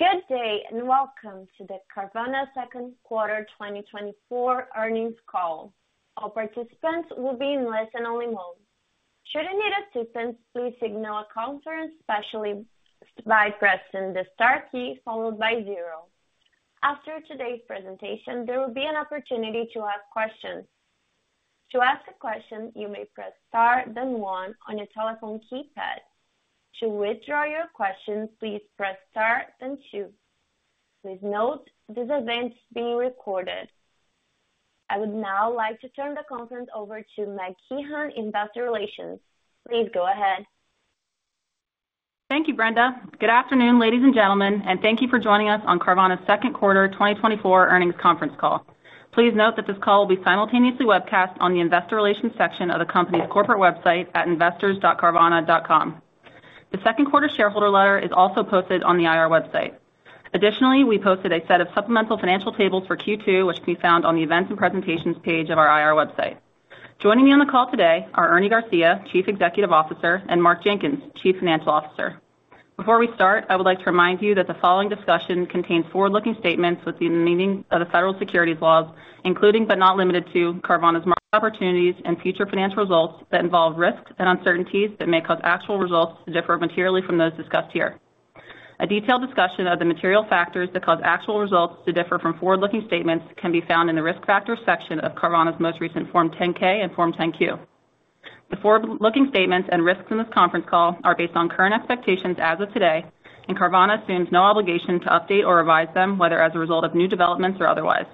Good day and welcome to the Carvana Second Quarter 2024 earnings call. All participants will be in listen-only mode. Should you need assistance, please signal a call to respond by pressing the star key followed by zero. After today's presentation, there will be an opportunity to ask questions. To ask a question, you may press star then one on your telephone keypad. To withdraw your question, please press star then two. Please note this event is being recorded. I would now like to turn the conference over to Meg Kehan in Investor Relations. Please go ahead. Thank you, Brenda. Good afternoon, ladies and gentlemen, and thank you for joining us on Carvana's Second Quarter 2024 earnings conference call. Please note that this call will be simultaneously webcast on the Investor Relations section of the company's corporate website at investors.carvana.com. The second quarter shareholder letter is also posted on the IR website. Additionally, we posted a set of supplemental financial tables for Q2, which can be found on the Events and Presentations page of our IR website. Joining me on the call today are Ernie Garcia, Chief Executive Officer, and Mark Jenkins, Chief Financial Officer. Before we start, I would like to remind you that the following discussion contains forward-looking statements within the meaning of the federal securities laws, including but not limited to Carvana's market opportunities and future financial results that involve risks and uncertainties that may cause actual results to differ materially from those discussed here. A detailed discussion of the material factors that cause actual results to differ from forward-looking statements can be found in the Risk Factors section of Carvana's most recent Form 10-K and Form 10-Q. The forward-looking statements and risks in this conference call are based on current expectations as of today, and Carvana assumes no obligation to update or revise them, whether as a result of new developments or otherwise.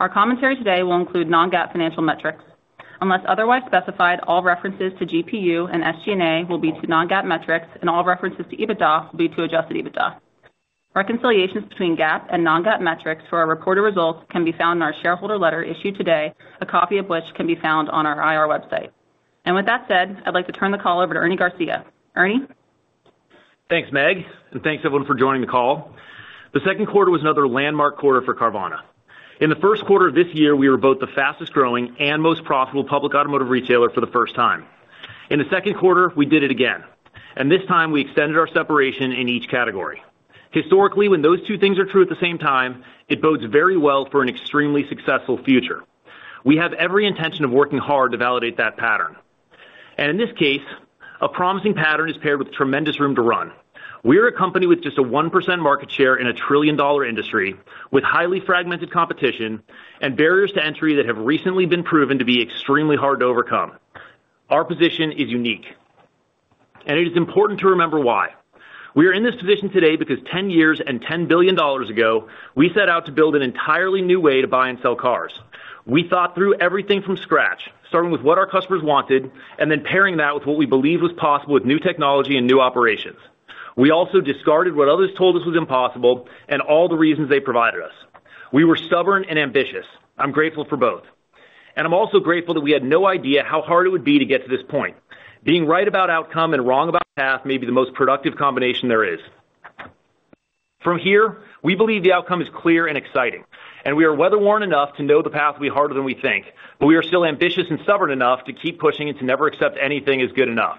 Our commentary today will include non-GAAP financial metrics. Unless otherwise specified, all references to GPU and SG&A will be to non-GAAP metrics, and all references to EBITDA will be to adjusted EBITDA. Reconciliations between GAAP and non-GAAP metrics for our reported results can be found in our shareholder letter issued today, a copy of which can be found on our IR website. And with that said, I'd like to turn the call over to Ernie Garcia. Ernie. Thanks, Meg, and thanks everyone for joining the call. The second quarter was another landmark quarter for Carvana. In the first quarter of this year, we were both the fastest-growing and most profitable public automotive retailer for the first time. In the second quarter, we did it again, and this time we extended our separation in each category. Historically, when those two things are true at the same time, it bodes very well for an extremely successful future. We have every intention of working hard to validate that pattern. In this case, a promising pattern is paired with tremendous room to run. We are a company with just a 1% market share in a trillion-dollar industry, with highly fragmented competition and barriers to entry that have recently been proven to be extremely hard to overcome. Our position is unique, and it is important to remember why. We are in this position today because 10 years and $10 billion ago, we set out to build an entirely new way to buy and sell cars. We thought through everything from scratch, starting with what our customers wanted, and then pairing that with what we believed was possible with new technology and new operations. We also discarded what others told us was impossible and all the reasons they provided us. We were stubborn and ambitious. I'm grateful for both. I'm also grateful that we had no idea how hard it would be to get to this point. Being right about outcome and wrong about path may be the most productive combination there is. From here, we believe the outcome is clear and exciting, and we are weather-worn enough to know the path will be harder than we think, but we are still ambitious and stubborn enough to keep pushing and to never accept anything as good enough.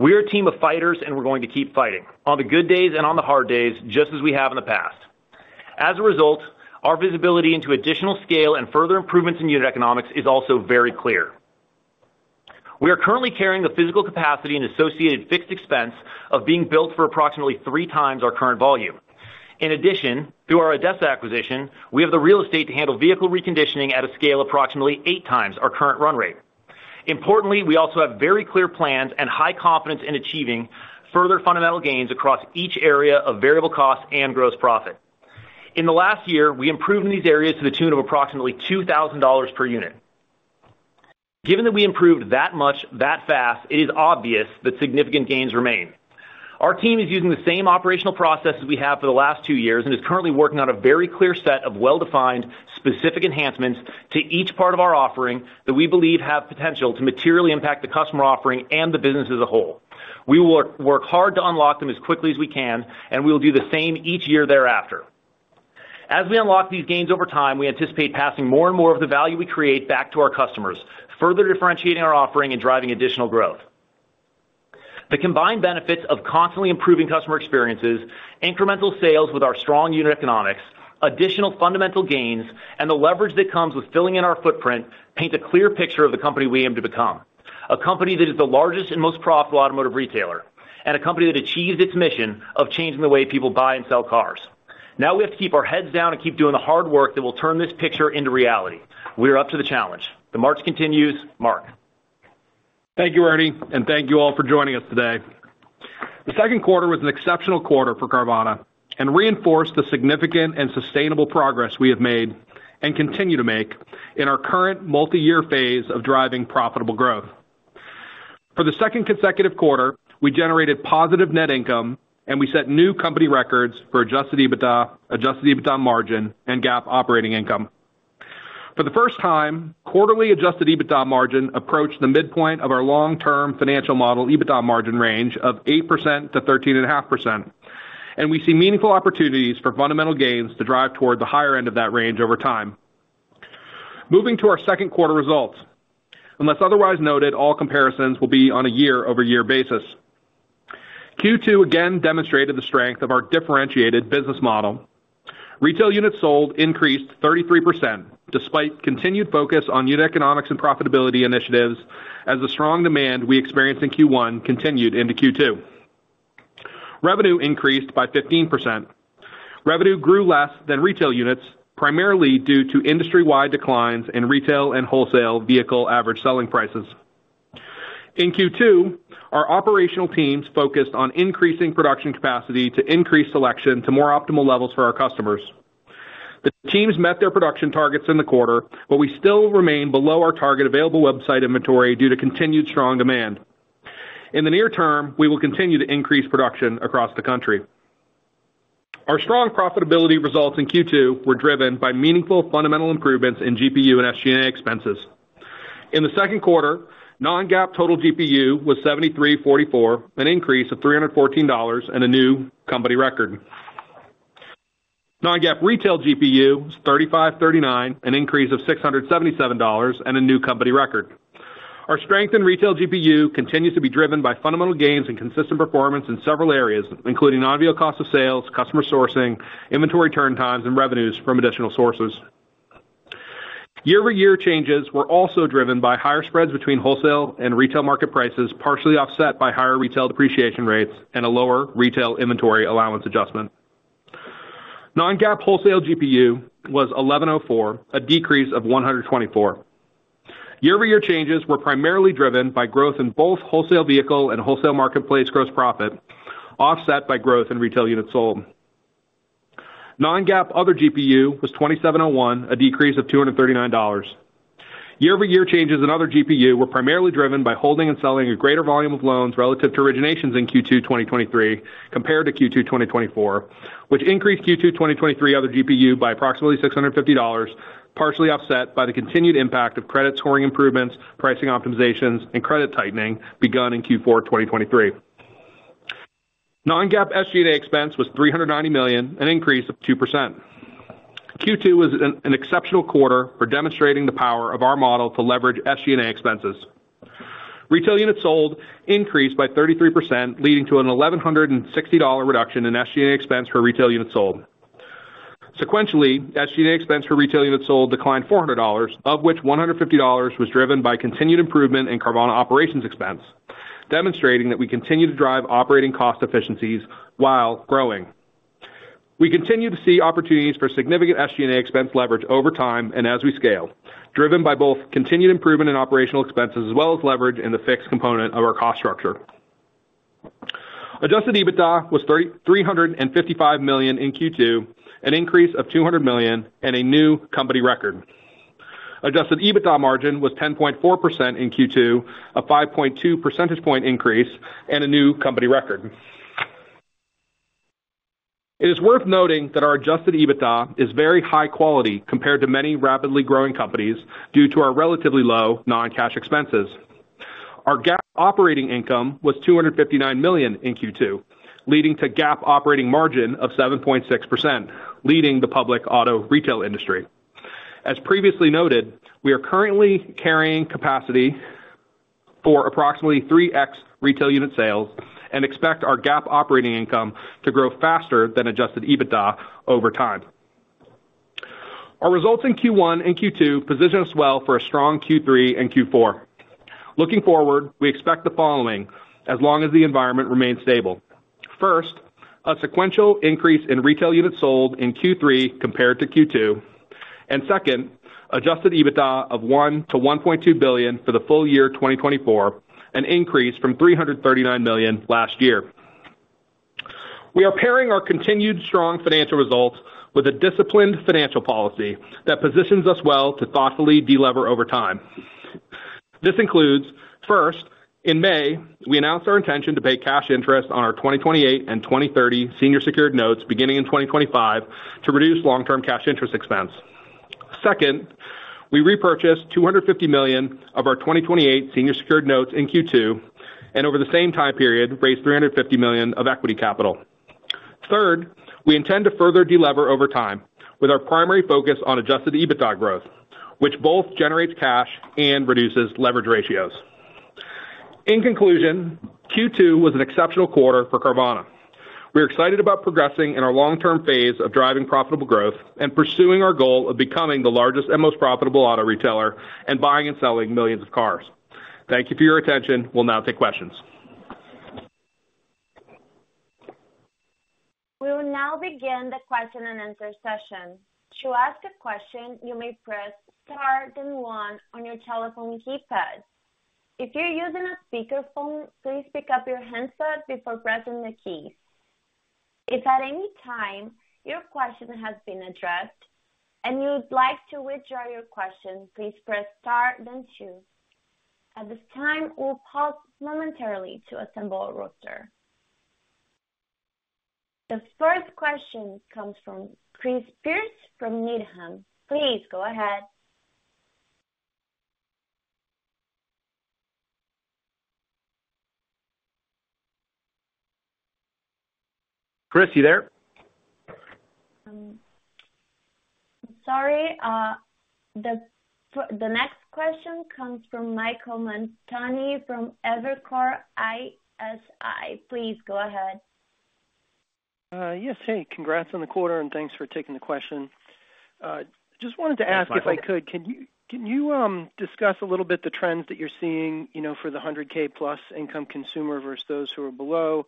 We are a team of fighters, and we're going to keep fighting on the good days and on the hard days, just as we have in the past. As a result, our visibility into additional scale and further improvements in unit economics is also very clear. We are currently carrying the physical capacity and associated fixed expense of being built for approximately three times our current volume. In addition, through our ADESA acquisition, we have the real estate to handle vehicle reconditioning at a scale approximately eight times our current run rate. Importantly, we also have very clear plans and high confidence in achieving further fundamental gains across each area of variable costs and gross profit. In the last year, we improved in these areas to the tune of approximately $2,000 per unit. Given that we improved that much that fast, it is obvious that significant gains remain. Our team is using the same operational processes we have for the last two years and is currently working on a very clear set of well-defined, specific enhancements to each part of our offering that we believe have potential to materially impact the customer offering and the business as a whole. We will work hard to unlock them as quickly as we can, and we will do the same each year thereafter. As we unlock these gains over time, we anticipate passing more and more of the value we create back to our customers, further differentiating our offering and driving additional growth. The combined benefits of constantly improving customer experiences, incremental sales with our strong unit economics, additional fundamental gains, and the leverage that comes with filling in our footprint paint a clear picture of the company we aim to become: a company that is the largest and most profitable automotive retailer, and a company that achieves its mission of changing the way people buy and sell cars. Now we have to keep our heads down and keep doing the hard work that will turn this picture into reality. We are up to the challenge. The march continues. Mark. Thank you, Ernie, and thank you all for joining us today. The second quarter was an exceptional quarter for Carvana and reinforced the significant and sustainable progress we have made and continue to make in our current multi-year phase of driving profitable growth. For the second consecutive quarter, we generated positive net income, and we set new company records for adjusted EBITDA, adjusted EBITDA margin, and GAAP operating income. For the first time, quarterly adjusted EBITDA margin approached the midpoint of our long-term financial model EBITDA margin range of 8%-13.5%, and we see meaningful opportunities for fundamental gains to drive toward the higher end of that range over time. Moving to our second quarter results, unless otherwise noted, all comparisons will be on a year-over-year basis. Q2 again demonstrated the strength of our differentiated business model. Retail units sold increased 33% despite continued focus on unit economics and profitability initiatives as the strong demand we experienced in Q1 continued into Q2. Revenue increased by 15%. Revenue grew less than retail units, primarily due to industry-wide declines in retail and wholesale vehicle average selling prices. In Q2, our operational teams focused on increasing production capacity to increase selection to more optimal levels for our customers. The teams met their production targets in the quarter, but we still remain below our target available website inventory due to continued strong demand. In the near term, we will continue to increase production across the country. Our strong profitability results in Q2 were driven by meaningful fundamental improvements in GPU and SG&A expenses. In the second quarter, non-GAAP total GPU was $7,344, an increase of $314 and a new company record. Non-GAAP retail GPU was $3,539, an increase of $677 and a new company record. Our strength in retail GPU continues to be driven by fundamental gains and consistent performance in several areas, including non-vehicle cost of sales, customer sourcing, inventory turn times, and revenues from additional sources. Year-over-year changes were also driven by higher spreads between wholesale and retail market prices, partially offset by higher retail depreciation rates and a lower retail inventory allowance adjustment. Non-GAAP wholesale GPU was $1,104, a decrease of $124. Year-over-year changes were primarily driven by growth in both wholesale vehicle and wholesale marketplace gross profit, offset by growth in retail units sold. Non-GAAP other GPU was $2,701, a decrease of $239. Year-over-year changes in other GPU were primarily driven by holding and selling a greater volume of loans relative to originations in Q2 2023 compared to Q2 2024, which increased Q2 2023 other GPU by approximately $650, partially offset by the continued impact of credit scoring improvements, pricing optimizations, and credit tightening begun in Q4 2023. Non-GAAP SG&A expense was $390 million, an increase of 2%. Q2 was an exceptional quarter for demonstrating the power of our model to leverage SG&A expenses. Retail units sold increased by 33%, leading to a $1,160 reduction in SG&A expense for retail units sold. Sequentially, SG&A expense for retail units sold declined $400, of which $150 was driven by continued improvement in Carvana operations expense, demonstrating that we continue to drive operating cost efficiencies while growing. We continue to see opportunities for significant SG&A expense leverage over time and as we scale, driven by both continued improvement in operational expenses as well as leverage in the fixed component of our cost structure. Adjusted EBITDA was $355 million in Q2, an increase of $200 million, and a new company record. Adjusted EBITDA margin was 10.4% in Q2, a 5.2 percentage point increase, and a new company record. It is worth noting that our adjusted EBITDA is very high quality compared to many rapidly growing companies due to our relatively low non-cash expenses. Our GAAP operating income was $259 million in Q2, leading to GAAP operating margin of 7.6%, leading the public auto retail industry. As previously noted, we are currently carrying capacity for approximately 3x retail unit sales and expect our GAAP operating income to grow faster than adjusted EBITDA over time. Our results in Q1 and Q2 position us well for a strong Q3 and Q4. Looking forward, we expect the following as long as the environment remains stable. First, a sequential increase in retail units sold in Q3 compared to Q2, and second, Adjusted EBITDA of $1-$1.2 billion for the full year 2024, an increase from $339 million last year. We are pairing our continued strong financial results with a disciplined financial policy that positions us well to thoughtfully delever over time. This includes, first, in May, we announced our intention to pay cash interest on our 2028 and 2030 senior secured notes beginning in 2025 to reduce long-term cash interest expense. Second, we repurchased $250 million of our 2028 senior secured notes in Q2 and over the same time period raised $350 million of equity capital. Third, we intend to further delever over time with our primary focus on Adjusted EBITDA growth, which both generates cash and reduces leverage ratios. In conclusion, Q2 was an exceptional quarter for Carvana. We are excited about progressing in our long-term phase of driving profitable growth and pursuing our goal of becoming the largest and most profitable auto retailer and buying and selling millions of cars. Thank you for your attention. We'll now take questions. We will now begin the question and answer session. To ask a question, you may press star then 1 on your telephone keypad. If you're using a speakerphone, please pick up your handset before pressing the keys. If at any time your question has been addressed and you'd like to withdraw your question, please press star then 2. At this time, we'll pause momentarily to assemble a roster. The first question comes from Chris Pierce from Needham. Please go ahead. Chris, you there? Sorry. The next question comes from Michael Montani from Evercore ISI. Please go ahead. Yes, hey, congrats on the quarter and thanks for taking the question. Just wanted to ask if I could, can you discuss a little bit the trends that you're seeing for the 100K plus income consumer versus those who are below?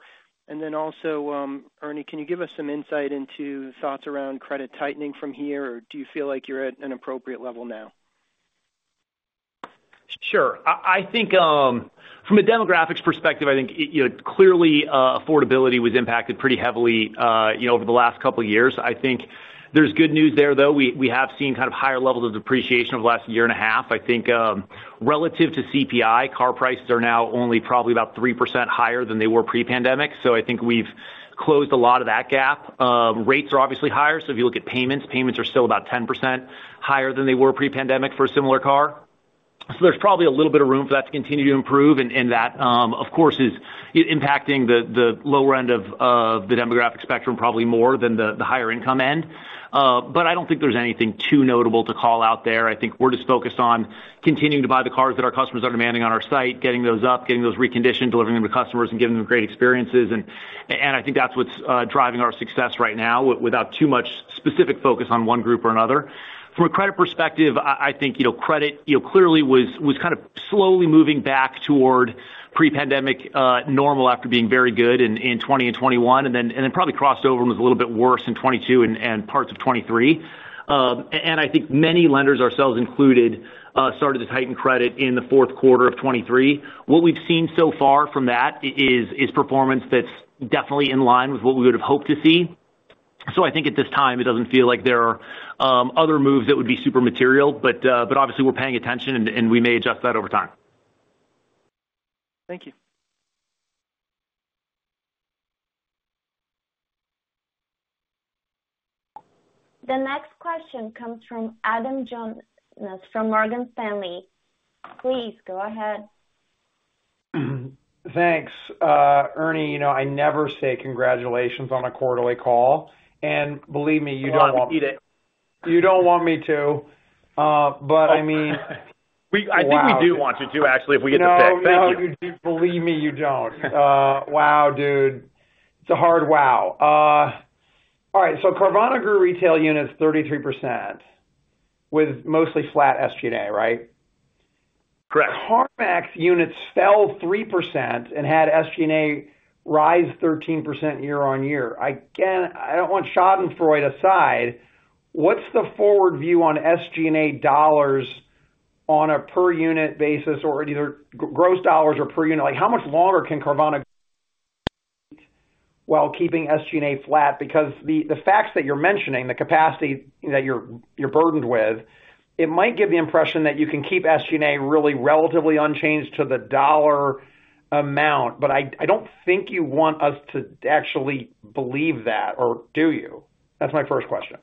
And then also, Ernie, can you give us some insight into thoughts around credit tightening from here, or do you feel like you're at an appropriate level now? Sure. I think from a demographics perspective, I think clearly affordability was impacted pretty heavily over the last couple of years. I think there's good news there, though. We have seen kind of higher levels of depreciation over the last year and a half. I think relative to CPI, car prices are now only probably about 3% higher than they were pre-pandemic. So I think we've closed a lot of that gap. Rates are obviously higher. So if you look at payments, payments are still about 10% higher than they were pre-pandemic for a similar car. So there's probably a little bit of room for that to continue to improve, and that, of course, is impacting the lower end of the demographic spectrum probably more than the higher income end. But I don't think there's anything too notable to call out there. I think we're just focused on continuing to buy the cars that our customers are demanding on our site, getting those up, getting those reconditioned, delivering them to customers, and giving them great experiences. I think that's what's driving our success right now without too much specific focus on one group or another. From a credit perspective, I think credit clearly was kind of slowly moving back toward pre-pandemic normal after being very good in 2020 and 2021, and then probably crossed over and was a little bit worse in 2022 and parts of 2023. I think many lenders, ourselves included, started to tighten credit in the fourth quarter of 2023. What we've seen so far from that is performance that's definitely in line with what we would have hoped to see. So I think at this time, it doesn't feel like there are other moves that would be super material, but obviously we're paying attention and we may adjust that over time. Thank you. The next question comes from Adam Jonas from Morgan Stanley. Please go ahead. Thanks. Ernie, I never say congratulations on a quarterly call. Believe me, you don't want me to. I don't eat it. You don't want me to. But I mean. I think we do want you to, actually, if we get the pick. No, no, no, you do. Believe me, you don't. Wow, dude. It's a hard wow. All right. So Carvana grew retail units 33% with mostly flat SG&A, right? Correct. CarMax units fell 3% and had SG&A rise 13% year-on-year. Again, I don't want Schadenfreude aside. What's the forward view on SG&A dollars on a per unit basis or either gross dollars or per unit? How much longer can Carvana keep while keeping SG&A flat? Because the facts that you're mentioning, the capacity that you're burdened with, it might give the impression that you can keep SG&A really relatively unchanged to the dollar amount. But I don't think you want us to actually believe that, or do you? That's my first question.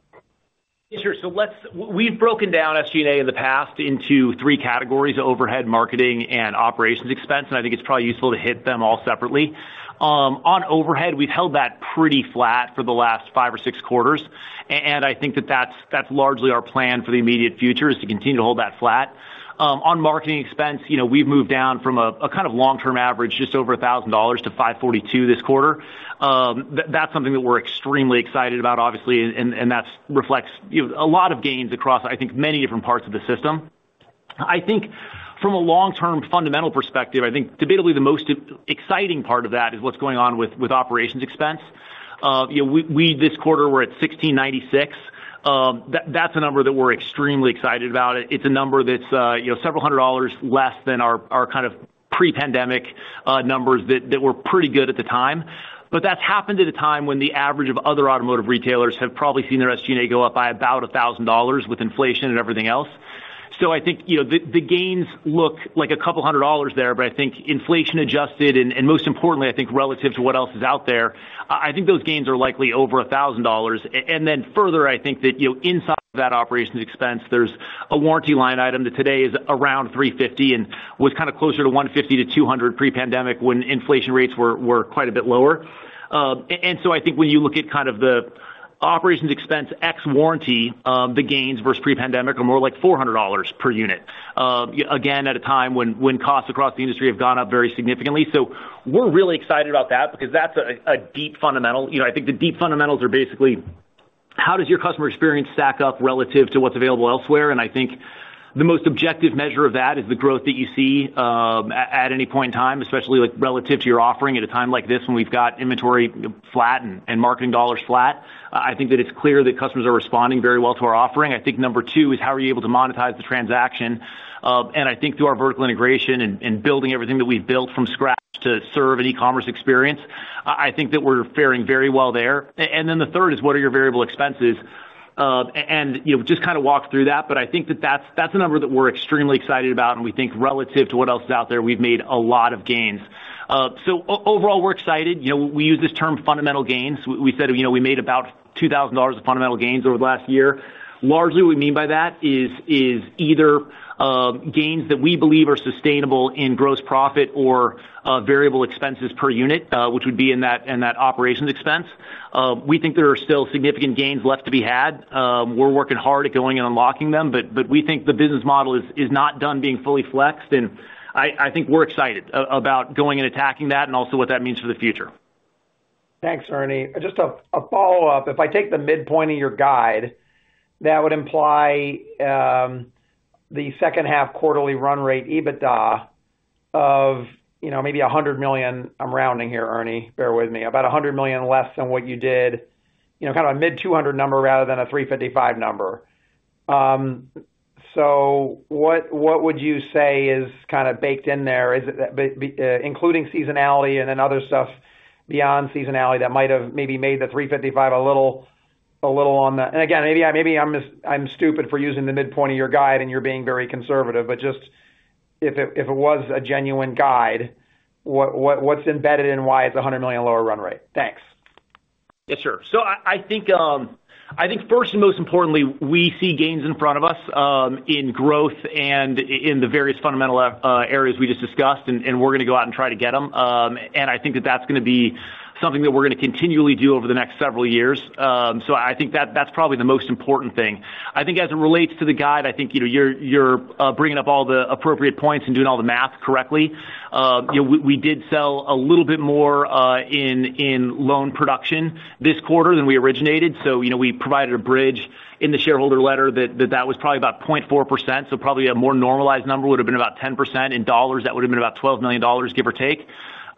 Sure. So we've broken down SG&A in the past into three categories: overhead, marketing, and operations expense. And I think it's probably useful to hit them all separately. On overhead, we've held that pretty flat for the last five or six quarters. And I think that that's largely our plan for the immediate future is to continue to hold that flat. On marketing expense, we've moved down from a kind of long-term average just over $1,000 to $542 this quarter. That's something that we're extremely excited about, obviously, and that reflects a lot of gains across, I think, many different parts of the system. I think from a long-term fundamental perspective, I think debatably the most exciting part of that is what's going on with operations expense. This quarter, we're at $1,696. That's a number that we're extremely excited about. It's a number that's several hundred dollars less than our kind of pre-pandemic numbers that were pretty good at the time. But that's happened at a time when the average of other automotive retailers have probably seen their SG&A go up by about $1,000 with inflation and everything else. So I think the gains look like a couple hundred dollars there, but I think inflation adjusted and most importantly, I think relative to what else is out there, I think those gains are likely over $1,000. And then further, I think that inside of that operations expense, there's a warranty line item that today is around $350 and was kind of closer to $150-$200 pre-pandemic when inflation rates were quite a bit lower. And so I think when you look at kind of the operations expense ex warranty, the gains versus pre-pandemic are more like $400 per unit, again, at a time when costs across the industry have gone up very significantly. So we're really excited about that because that's a deep fundamental. I think the deep fundamentals are basically how does your customer experience stack up relative to what's available elsewhere? And I think the most objective measure of that is the growth that you see at any point in time, especially relative to your offering at a time like this when we've got inventory flat and marketing dollars flat. I think that it's clear that customers are responding very well to our offering. I think number two is how are you able to monetize the transaction? I think through our vertical integration and building everything that we've built from scratch to serve an e-commerce experience, I think that we're faring very well there. And then the third is what are your variable expenses? And just kind of walk through that. But I think that that's a number that we're extremely excited about. And we think relative to what else is out there, we've made a lot of gains. So overall, we're excited. We use this term fundamental gains. We said we made about $2,000 of fundamental gains over the last year. Largely, what we mean by that is either gains that we believe are sustainable in gross profit or variable expenses per unit, which would be in that operations expense. We think there are still significant gains left to be had. We're working hard at going and unlocking them, but we think the business model is not done being fully flexed. I think we're excited about going and attacking that and also what that means for the future. Thanks, Ernie. Just a follow-up. If I take the midpoint of your guide, that would imply the second-half quarterly run rate EBITDA of maybe $100 million. I'm rounding here, Ernie. Bear with me. About $100 million less than what you did, kind of a mid-$200 million number rather than a $355 million number. So what would you say is kind of baked in there, including seasonality and then other stuff beyond seasonality that might have maybe made the $355 million a little on the— and again, maybe I'm stupid for using the midpoint of your guide and you're being very conservative, but just if it was a genuine guide, what's embedded in why it's a $100 million lower run rate? Thanks. Yes, sir. So I think first and most importantly, we see gains in front of us in growth and in the various fundamental areas we just discussed, and we're going to go out and try to get them. And I think that that's going to be something that we're going to continually do over the next several years. So I think that's probably the most important thing. I think as it relates to the guide, I think you're bringing up all the appropriate points and doing all the math correctly. We did sell a little bit more in loan production this quarter than we originated. So we provided a bridge in the shareholder letter that that was probably about 0.4%. So probably a more normalized number would have been about 10%. In dollars, that would have been about $12 million, give or take.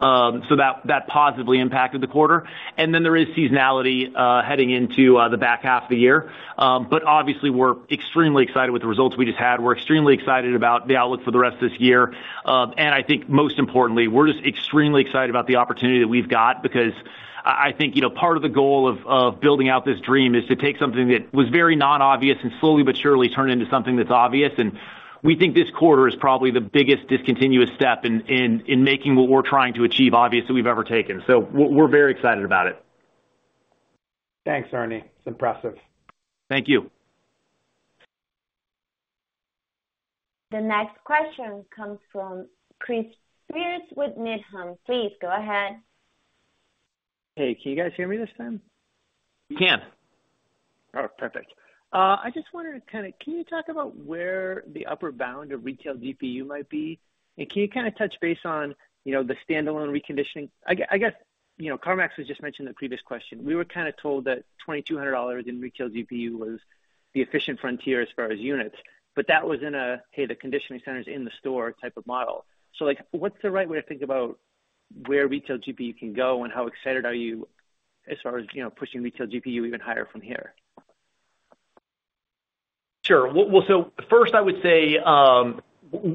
So that positively impacted the quarter. And then there is seasonality heading into the back half of the year. But obviously, we're extremely excited with the results we just had. We're extremely excited about the outlook for the rest of this year. And I think most importantly, we're just extremely excited about the opportunity that we've got because I think part of the goal of building out this dream is to take something that was very non-obvious and slowly but surely turn into something that's obvious. And we think this quarter is probably the biggest discontinuous step in making what we're trying to achieve obvious that we've ever taken. So we're very excited about it. Thanks, Ernie. It's impressive. Thank you. The next question comes from Chris Pierce with Needham. Please go ahead. Hey, can you guys hear me this time? We can. Oh, perfect. I just wanted to kind of, can you talk about where the upper bound of retail GPU might be? And can you kind of touch base on the standalone reconditioning? I guess CarMax was just mentioning the previous question. We were kind of told that $2,200 in retail GPU was the efficient frontier as far as units, but that was in a, "Hey, the conditioning center is in the store" type of model. So what's the right way to think about where retail GPU can go and how excited are you as far as pushing retail GPU even higher from here? Sure. Well, so first, I would say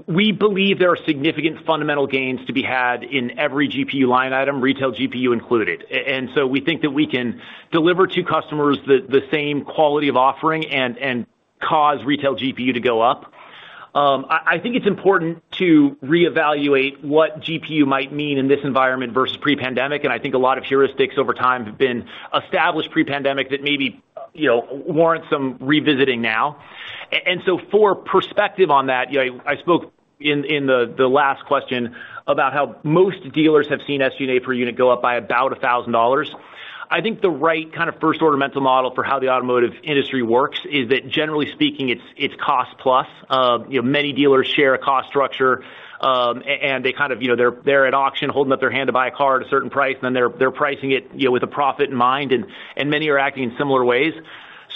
we believe there are significant fundamental gains to be had in every GPU line item, retail GPU included. And so we think that we can deliver to customers the same quality of offering and cause retail GPU to go up. I think it's important to reevaluate what GPU might mean in this environment versus pre-pandemic. And I think a lot of heuristics over time have been established pre-pandemic that maybe warrant some revisiting now. And so for perspective on that, I spoke in the last question about how most dealers have seen SG&A per unit go up by about $1,000. I think the right kind of first-order mental model for how the automotive industry works is that, generally speaking, it's cost-plus. Many dealers share a cost structure, and they kind of—they're at auction holding up their hand to buy a car at a certain price, and then they're pricing it with a profit in mind, and many are acting in similar ways.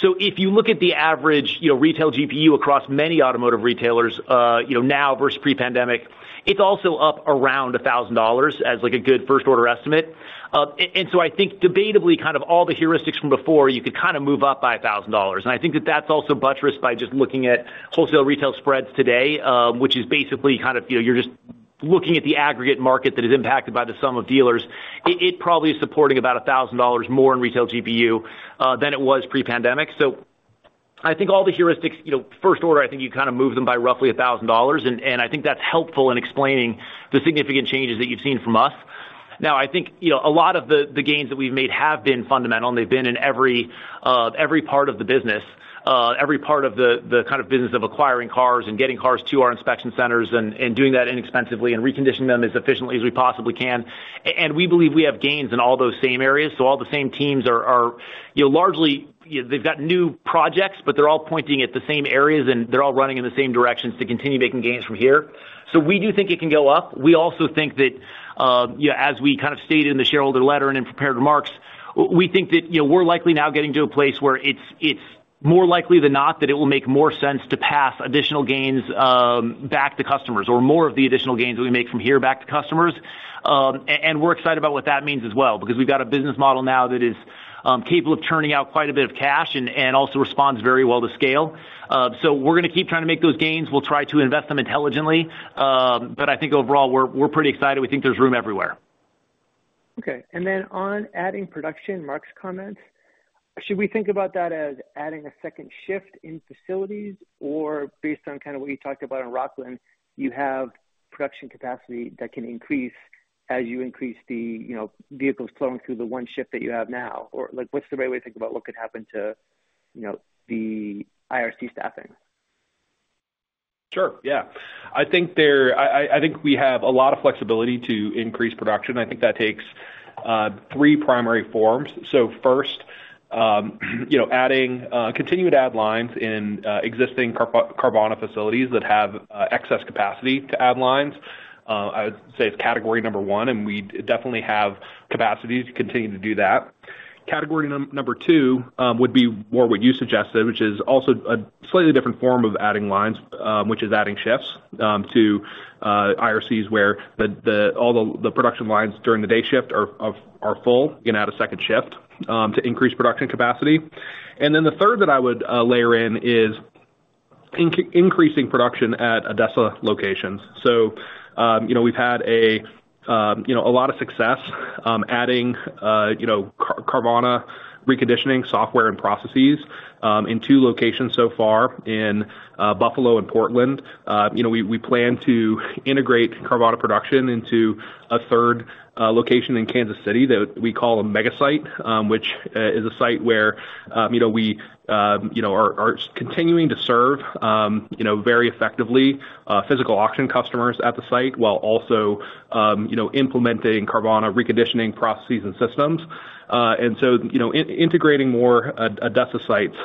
So if you look at the average retail GPU across many automotive retailers now versus pre-pandemic, it's also up around $1,000 as a good first-order estimate. And so I think debatably, kind of all the heuristics from before, you could kind of move up by $1,000. And I think that that's also buttressed by just looking at wholesale retail spreads today, which is basically kind of you're just looking at the aggregate market that is impacted by the sum of dealers. It probably is supporting about $1,000 more in retail GPU than it was pre-pandemic. So I think all the heuristics, first order, I think you kind of move them by roughly $1,000. And I think that's helpful in explaining the significant changes that you've seen from us. Now, I think a lot of the gains that we've made have been fundamental, and they've been in every part of the business, every part of the kind of business of acquiring cars and getting cars to our inspection centers and doing that inexpensively and reconditioning them as efficiently as we possibly can. And we believe we have gains in all those same areas. So all the same teams are largely, they've got new projects, but they're all pointing at the same areas, and they're all running in the same directions to continue making gains from here. So we do think it can go up. We also think that, as we kind of stated in the shareholder letter and in prepared remarks, we think that we're likely now getting to a place where it's more likely than not that it will make more sense to pass additional gains back to customers or more of the additional gains that we make from here back to customers. And we're excited about what that means as well because we've got a business model now that is capable of churning out quite a bit of cash and also responds very well to scale. So we're going to keep trying to make those gains. We'll try to invest them intelligently. But I think overall, we're pretty excited. We think there's room everywhere. Okay. And then on adding production, Mark's comments, should we think about that as adding a second shift in facilities or based on kind of what you talked about in Rocklin, you have production capacity that can increase as you increase the vehicles flowing through the one shift that you have now? Or what's the right way to think about what could happen to the IRC staffing? Sure. Yeah. I think we have a lot of flexibility to increase production. I think that takes three primary forms. So first, adding continued add lines in existing Carvana facilities that have excess capacity to add lines. I would say it's category number one, and we definitely have capacity to continue to do that. Category number two would be more what you suggested, which is also a slightly different form of adding lines, which is adding shifts to IRCs where all the production lines during the day shift are full. You can add a second shift to increase production capacity. And then the third that I would layer in is increasing production at ADESA locations. So we've had a lot of success adding Carvana reconditioning software and processes in two locations so far in Buffalo and Portland. We plan to integrate Carvana production into a third location in Kansas City that we call a Mega Site, which is a site where we are continuing to serve very effectively physical auction customers at the site while also implementing Carvana reconditioning processes and systems. Integrating more ADESA sites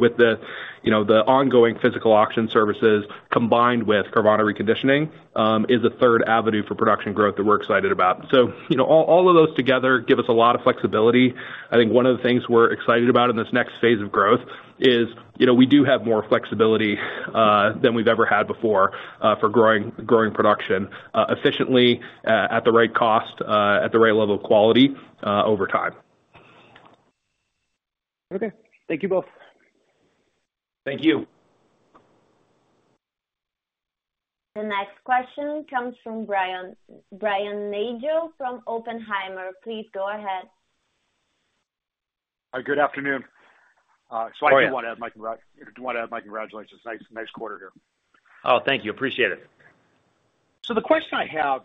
with the ongoing physical auction services combined with Carvana reconditioning is a third avenue for production growth that we're excited about. So all of those together give us a lot of flexibility. I think one of the things we're excited about in this next phase of growth is we do have more flexibility than we've ever had before for growing production efficiently at the right cost, at the right level of quality over time. Okay. Thank you both. Thank you. The next question comes from Brian Nagel from Oppenheimer. Please go ahead. Hi. Good afternoon. I do want to add my congratulations. Nice quarter here. Oh, thank you. Appreciate it. So the question I have,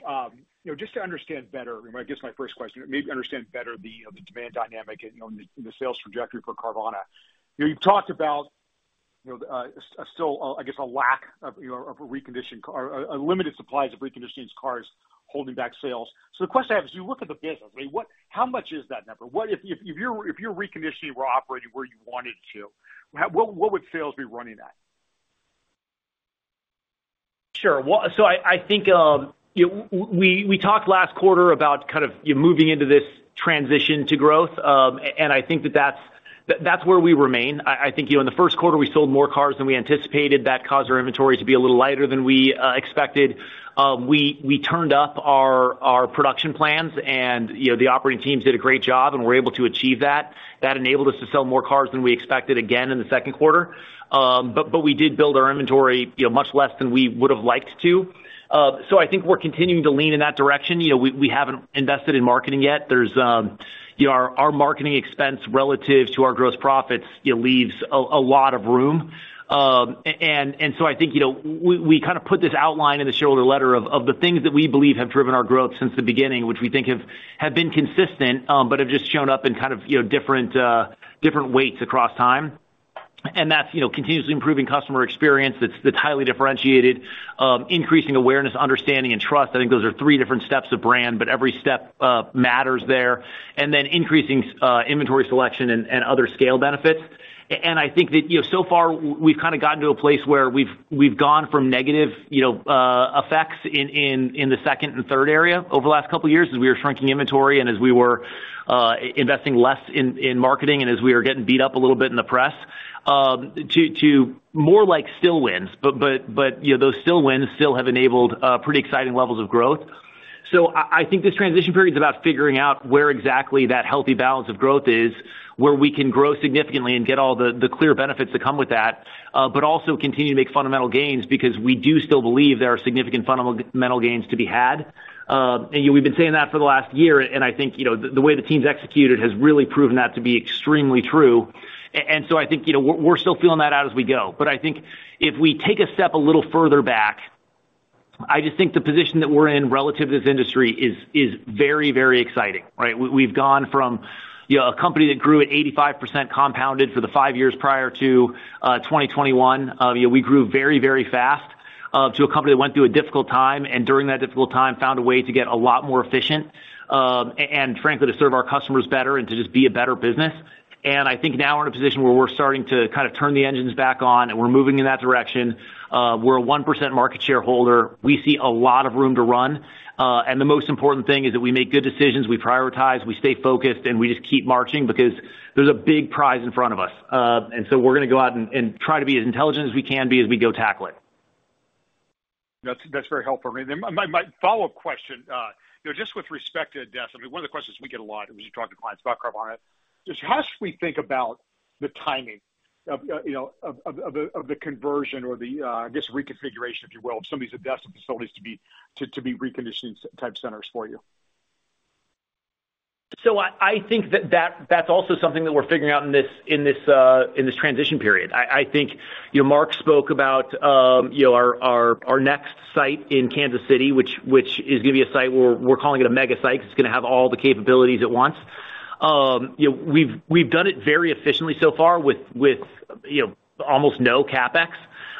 just to understand better, I guess my first question, maybe understand better the demand dynamic and the sales trajectory for Carvana. You've talked about still, I guess, a lack of reconditioned or limited supplies of reconditioned cars holding back sales. So the question I have is, you look at the business, how much is that number? If you're reconditioning or operating where you wanted to, what would sales be running at? Sure. So I think we talked last quarter about kind of moving into this transition to growth, and I think that that's where we remain. I think in the first quarter, we sold more cars than we anticipated. That caused our inventory to be a little lighter than we expected. We turned up our production plans, and the operating teams did a great job, and we're able to achieve that. That enabled us to sell more cars than we expected again in the second quarter. But we did build our inventory much less than we would have liked to. So I think we're continuing to lean in that direction. We haven't invested in marketing yet. Our marketing expense relative to our gross profits leaves a lot of room. And so I think we kind of put this outline in the shareholder letter of the things that we believe have driven our growth since the beginning, which we think have been consistent but have just shown up in kind of different weights across time. And that's continuously improving customer experience that's highly differentiated, increasing awareness, understanding, and trust. I think those are three different steps of brand, but every step matters there. And then increasing inventory selection and other scale benefits. And I think that so far, we've kind of gotten to a place where we've gone from negative effects in the second and third area over the last couple of years as we were shrinking inventory and as we were investing less in marketing and as we were getting beat up a little bit in the press to more like still wins. But those small wins have enabled pretty exciting levels of growth. So I think this transition period is about figuring out where exactly that healthy balance of growth is, where we can grow significantly and get all the clear benefits that come with that, but also continue to make fundamental gains because we do still believe there are significant fundamental gains to be had. And we've been saying that for the last year, and I think the way the team's executed has really proven that to be extremely true. And so I think we're still feeling that out as we go. But I think if we take a step a little further back, I just think the position that we're in relative to this industry is very, very exciting. We've gone from a company that grew at 85% compounded for the five years prior to 2021. We grew very, very fast to a company that went through a difficult time and during that difficult time found a way to get a lot more efficient and, frankly, to serve our customers better and to just be a better business. And I think now we're in a position where we're starting to kind of turn the engines back on, and we're moving in that direction. We're a 1% market shareholder. We see a lot of room to run. And the most important thing is that we make good decisions, we prioritize, we stay focused, and we just keep marching because there's a big prize in front of us. And so we're going to go out and try to be as intelligent as we can be as we go tackle it. That's very helpful. My follow-up question, just with respect to ADESA, one of the questions we get a lot when we talk to clients about Carvana, is how should we think about the timing of the conversion or the, I guess, reconfiguration, if you will, of some of these ADESA facilities to be reconditioning-type centers for you? So I think that that's also something that we're figuring out in this transition period. I think Mark spoke about our next site in Kansas City, which is going to be a site where we're calling it a Mega Site because it's going to have all the capabilities at once. We've done it very efficiently so far with almost no CapEx.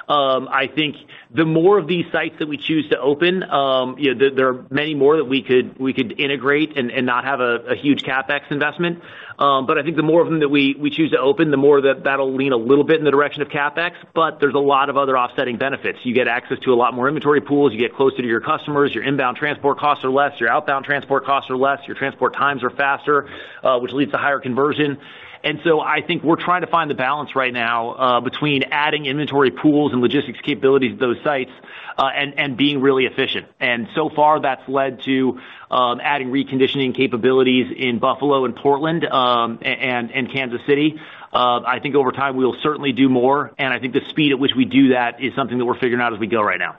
I think the more of these sites that we choose to open, there are many more that we could integrate and not have a huge CapEx investment. But I think the more of them that we choose to open, the more that that'll lean a little bit in the direction of CapEx. But there's a lot of other offsetting benefits. You get access to a lot more inventory pools. You get closer to your customers. Your inbound transport costs are less. Your outbound transport costs are less. Your transport times are faster, which leads to higher conversion. And so I think we're trying to find the balance right now between adding inventory pools and logistics capabilities at those sites and being really efficient. And so far, that's led to adding reconditioning capabilities in Buffalo and Portland and Kansas City. I think over time, we'll certainly do more. And I think the speed at which we do that is something that we're figuring out as we go right now.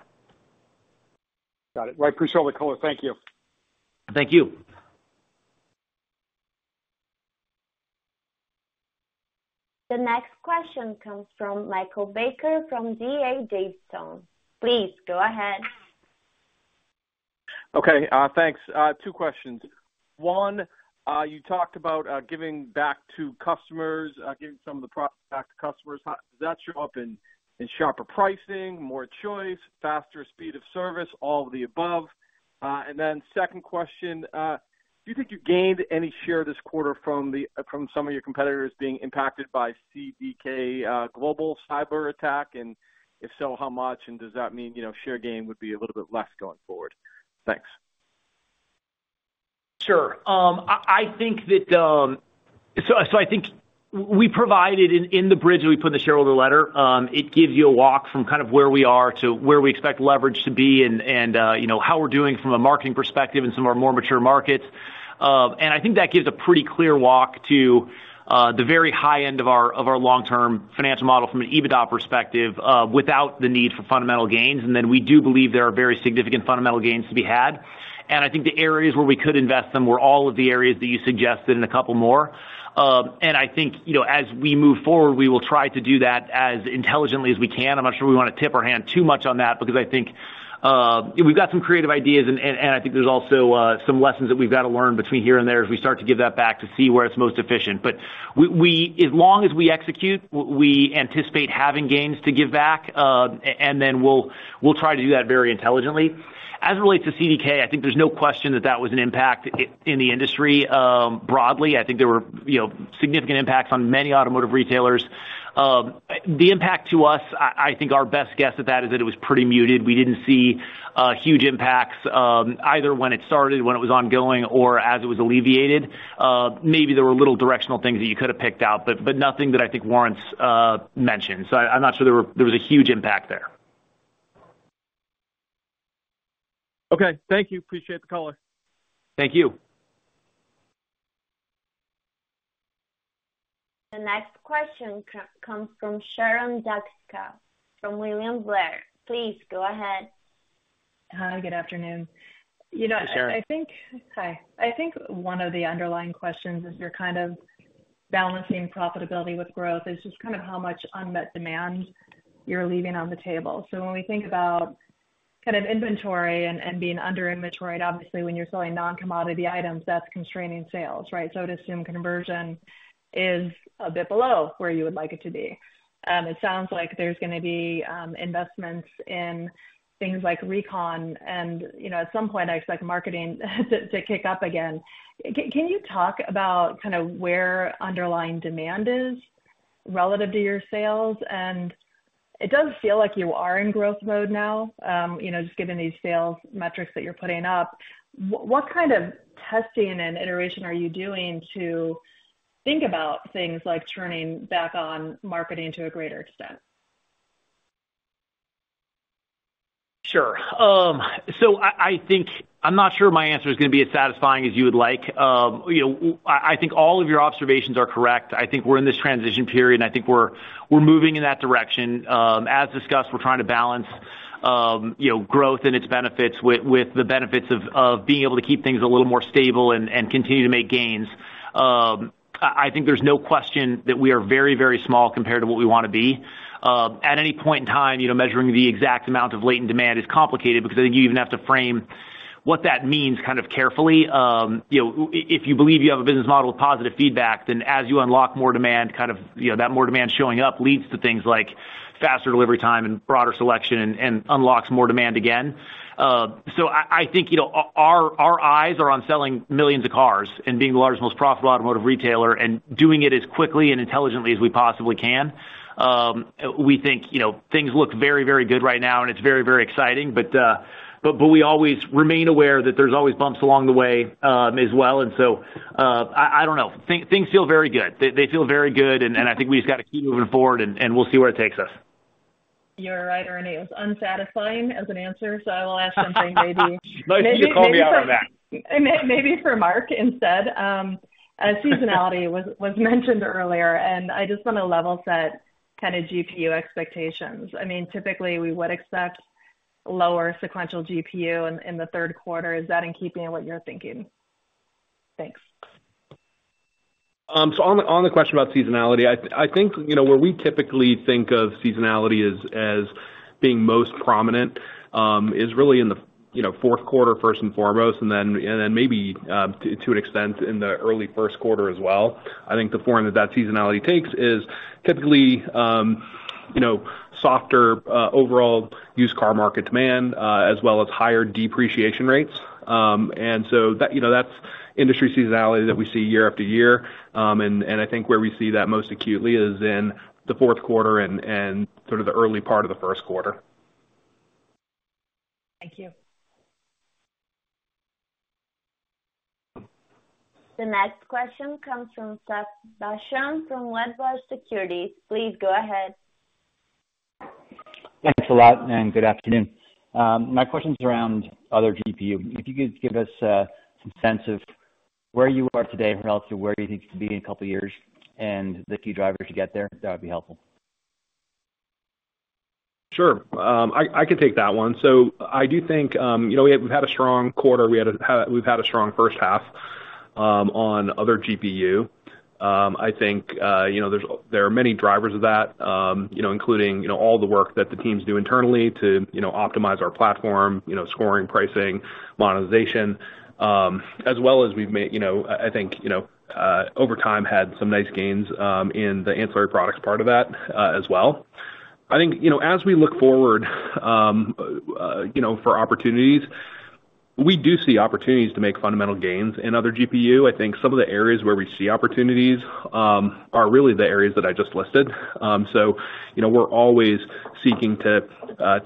Got it. All right. Appreciate all the color. Thank you. Thank you. The next question comes from Michael Baker from D.A. Davidson. Please go ahead. Okay. Thanks. Two questions. One, you talked about giving back to customers, giving some of the product back to customers. Does that show up in sharper pricing, more choice, faster speed of service, all of the above? And then second question, do you think you gained any share this quarter from some of your competitors being impacted by CDK Global cyber attack? And if so, how much? And does that mean share gain would be a little bit less going forward? Thanks. Sure. I think we provided in the bridge that we put in the Shareholder Letter, it gives you a walk from kind of where we are to where we expect leverage to be and how we're doing from a marketing perspective in some of our more mature markets. I think that gives a pretty clear walk to the very high end of our long-term financial model from an EBITDA perspective without the need for fundamental gains. Then we do believe there are very significant fundamental gains to be had. I think the areas where we could invest them were all of the areas that you suggested and a couple more. I think as we move forward, we will try to do that as intelligently as we can. I'm not sure we want to tip our hand too much on that because I think we've got some creative ideas, and I think there's also some lessons that we've got to learn between here and there as we start to give that back to see where it's most efficient. But as long as we execute, we anticipate having gains to give back, and then we'll try to do that very intelligently. As it relates to CDK, I think there's no question that that was an impact in the industry broadly. I think there were significant impacts on many automotive retailers. The impact to us, I think our best guess at that is that it was pretty muted. We didn't see huge impacts either when it started, when it was ongoing, or as it was alleviated. Maybe there were little directional things that you could have picked out, but nothing that I think Warren's mentioned. So I'm not sure there was a huge impact there. Okay. Thank you. Appreciate the color. Thank you. The next question comes from Sharon Zackfia from William Blair. Please go ahead. Hi. Good afternoon. Hi, Sharon. I think one of the underlying questions as you're kind of balancing profitability with growth is just kind of how much unmet demand you're leaving on the table. So when we think about kind of inventory and being under-inventoried, obviously, when you're selling non-commodity items, that's constraining sales, right? So I would assume conversion is a bit below where you would like it to be. It sounds like there's going to be investments in things like recon, and at some point, I expect marketing to kick up again. Can you talk about kind of where underlying demand is relative to your sales? And it does feel like you are in growth mode now, just given these sales metrics that you're putting up. What kind of testing and iteration are you doing to think about things like turning back on marketing to a greater extent? Sure. So I think I'm not sure my answer is going to be as satisfying as you would like. I think all of your observations are correct. I think we're in this transition period, and I think we're moving in that direction. As discussed, we're trying to balance growth and its benefits with the benefits of being able to keep things a little more stable and continue to make gains. I think there's no question that we are very, very small compared to what we want to be. At any point in time, measuring the exact amount of latent demand is complicated because I think you even have to frame what that means kind of carefully. If you believe you have a business model with positive feedback, then as you unlock more demand, kind of that more demand showing up leads to things like faster delivery time and broader selection and unlocks more demand again. So I think our eyes are on selling millions of cars and being the largest, most profitable automotive retailer and doing it as quickly and intelligently as we possibly can. We think things look very, very good right now, and it's very, very exciting. But we always remain aware that there's always bumps along the way as well. And so I don't know. Things feel very good. They feel very good, and I think we just got to keep moving forward, and we'll see where it takes us. You're right, Ernie. It was unsatisfying as an answer, so I will ask something maybe. Nice. You call me out on that. Maybe for Mark instead. Seasonality was mentioned earlier, and I just want to level set kind of GPU expectations. I mean, typically, we would expect lower sequential GPU in the third quarter. Is that in keeping with what you're thinking? Thanks. So on the question about seasonality, I think where we typically think of seasonality as being most prominent is really in the fourth quarter, first and foremost, and then maybe to an extent in the early first quarter as well. I think the form that that seasonality takes is typically softer overall used car market demand as well as higher depreciation rates. And so that's industry seasonality that we see year after year. And I think where we see that most acutely is in the fourth quarter and sort of the early part of the first quarter. Thank you. The next question comes from Seth Basham from Wedbush Securities. Please go ahead. Thanks a lot, and good afternoon. My question's around other GPU. If you could give us some sense of where you are today relative to where you think to be in a couple of years and the key drivers to get there, that would be helpful. Sure. I can take that one. So I do think we've had a strong quarter. We've had a strong first half on Other GPU. I think there are many drivers of that, including all the work that the teams do internally to optimize our platform, scoring, pricing, monetization, as well as we've made, I think, over time, had some nice gains in the ancillary products part of that as well. I think as we look forward for opportunities, we do see opportunities to make fundamental gains in Other GPU. I think some of the areas where we see opportunities are really the areas that I just listed. So we're always seeking to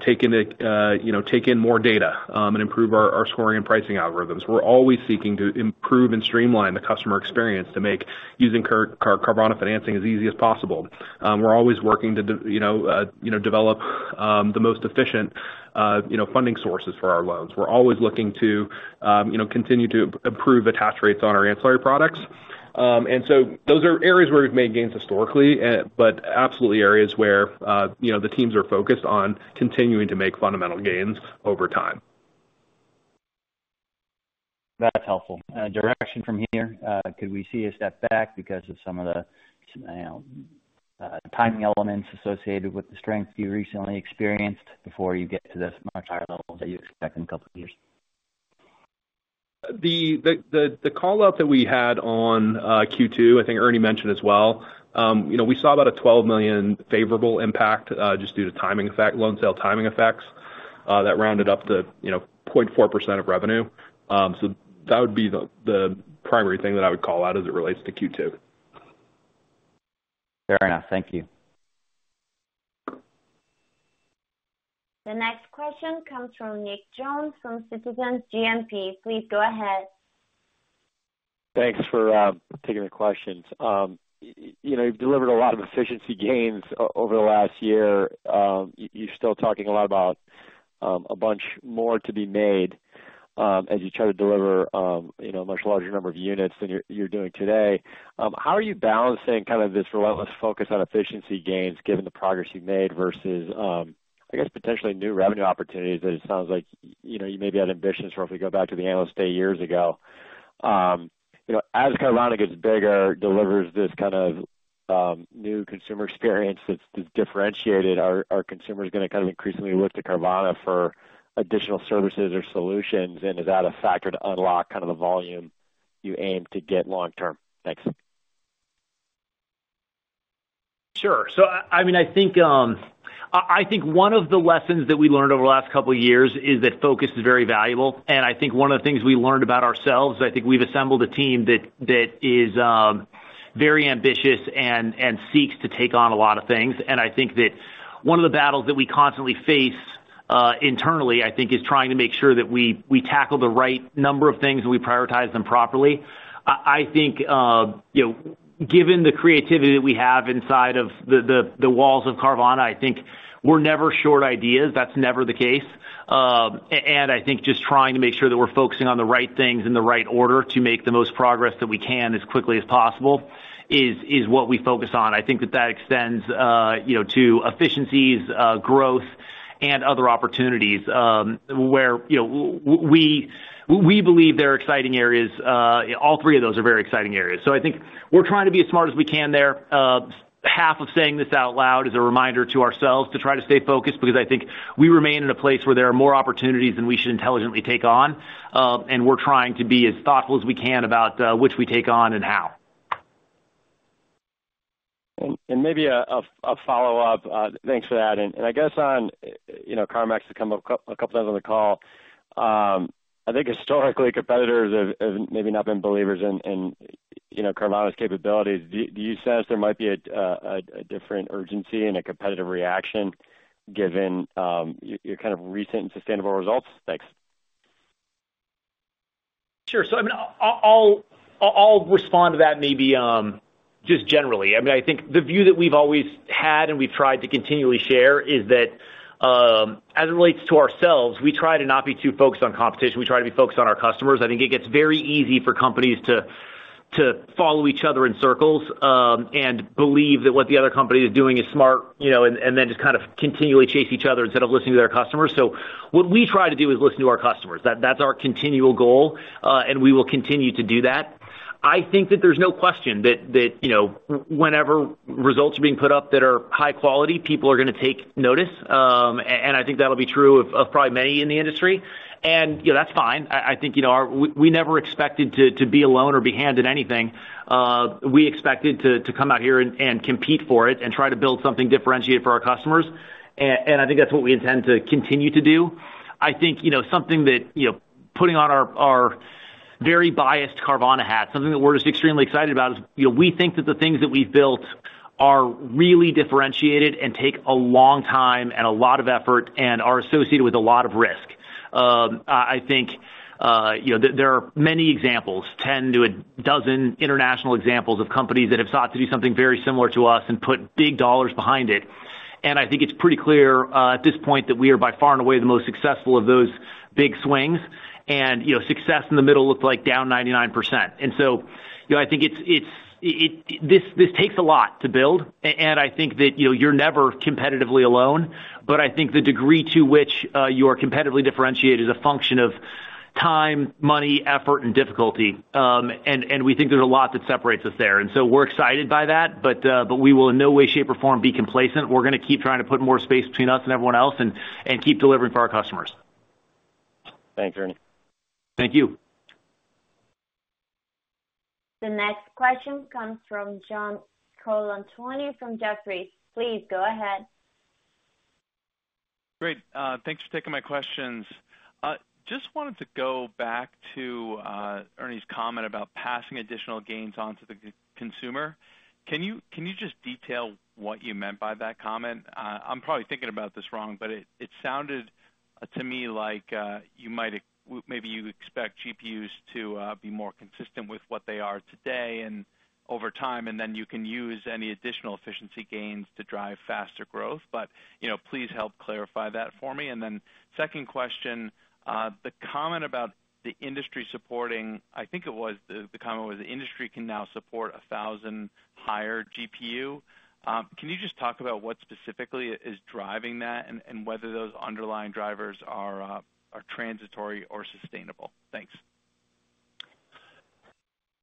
take in more data and improve our scoring and pricing algorithms. We're always seeking to improve and streamline the customer experience to make using Carvana Financing as easy as possible. We're always working to develop the most efficient funding sources for our loans. We're always looking to continue to improve attach rates on our ancillary products. And so those are areas where we've made gains historically, but absolutely areas where the teams are focused on continuing to make fundamental gains over time. That's helpful. Direction from here, could we see a step back because of some of the timing elements associated with the strength you recently experienced before you get to this much higher level that you expect in a couple of years? The callout that we had on Q2, I think Ernie mentioned as well, we saw about a $12 million favorable impact just due to loan sale timing effects that rounded up to 0.4% of revenue. So that would be the primary thing that I would call out as it relates to Q2. Fair enough. Thank you. The next question comes from Nick Jones from Citizens JMP. Please go ahead. Thanks for taking the questions. You've delivered a lot of efficiency gains over the last year. You're still talking a lot about a bunch more to be made as you try to deliver a much larger number of units than you're doing today. How are you balancing kind of this relentless focus on efficiency gains given the progress you've made versus, I guess, potentially new revenue opportunities that it sounds like you maybe had ambitions for if we go back to the analyst day years ago? As Carvana gets bigger, delivers this kind of new consumer experience that's differentiated, are consumers going to kind of increasingly look to Carvana for additional services or solutions? And is that a factor to unlock kind of the volume you aim to get long-term? Thanks. Sure. So I mean, I think one of the lessons that we learned over the last couple of years is that focus is very valuable. And I think one of the things we learned about ourselves, I think we've assembled a team that is very ambitious and seeks to take on a lot of things. And I think that one of the battles that we constantly face internally, I think, is trying to make sure that we tackle the right number of things and we prioritize them properly. I think given the creativity that we have inside of the walls of Carvana, I think we're never short ideas. That's never the case. And I think just trying to make sure that we're focusing on the right things in the right order to make the most progress that we can as quickly as possible is what we focus on. I think that that extends to efficiencies, growth, and other opportunities where we believe there are exciting areas. All three of those are very exciting areas. So I think we're trying to be as smart as we can there. Half of saying this out loud is a reminder to ourselves to try to stay focused because I think we remain in a place where there are more opportunities than we should intelligently take on. And we're trying to be as thoughtful as we can about which we take on and how. Maybe a follow-up. Thanks for that. I guess CarMax has come up a couple of times on the call. I think historically, competitors have maybe not been believers in Carvana's capabilities. Do you sense there might be a different urgency and a competitive reaction given your kind of recent and sustainable results? Thanks. Sure. So I mean, I'll respond to that maybe just generally. I mean, I think the view that we've always had and we've tried to continually share is that as it relates to ourselves, we try to not be too focused on competition. We try to be focused on our customers. I think it gets very easy for companies to follow each other in circles and believe that what the other company is doing is smart and then just kind of continually chase each other instead of listening to their customers. So what we try to do is listen to our customers. That's our continual goal, and we will continue to do that. I think that there's no question that whenever results are being put up that are high quality, people are going to take notice. And I think that'll be true of probably many in the industry. And that's fine. I think we never expected to be alone or be handed anything. We expected to come out here and compete for it and try to build something differentiated for our customers. And I think that's what we intend to continue to do. I think something that putting on our very biased Carvana hat, something that we're just extremely excited about is we think that the things that we've built are really differentiated and take a long time and a lot of effort and are associated with a lot of risk. I think there are many examples, 10-12 international examples of companies that have sought to do something very similar to us and put big dollars behind it. And I think it's pretty clear at this point that we are by far and away the most successful of those big swings. Success in the middle looked like down 99%. So I think this takes a lot to build. I think that you're never competitively alone. But I think the degree to which you are competitively differentiated is a function of time, money, effort, and difficulty. We think there's a lot that separates us there. So we're excited by that, but we will in no way, shape, or form be complacent. We're going to keep trying to put more space between us and everyone else and keep delivering for our customers. Thanks, Ernie. Thank you. The next question comes from John Colantuoni from Jefferies. Please go ahead. Great. Thanks for taking my questions. Just wanted to go back to Ernie's comment about passing additional gains on to the consumer. Can you just detail what you meant by that comment? I'm probably thinking about this wrong, but it sounded to me like maybe you expect GPUs to be more consistent with what they are today and over time, and then you can use any additional efficiency gains to drive faster growth. But please help clarify that for me. And then second question, the comment about the industry supporting, I think it was the comment was the industry can now support $1,000 higher GPU. Can you just talk about what specifically is driving that and whether those underlying drivers are transitory or sustainable? Thanks.